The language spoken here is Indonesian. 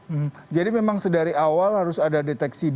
terima kasih jadi memang sedari awal harus ada deteksi di dalamnya